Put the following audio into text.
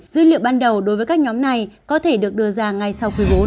dư liệu ban đầu đối với các nhóm này có thể được đưa ra ngay sau khối bốn